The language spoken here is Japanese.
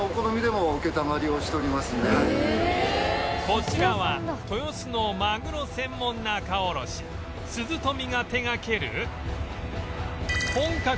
こちらは豊洲のマグロ専門仲卸鈴富が手がける本格